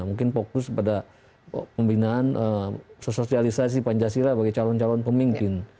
mungkin fokus pada pembinaan sosialisasi pancasila bagi calon calon pemimpin